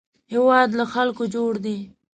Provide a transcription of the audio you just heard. هېواد له خلکو جوړ دی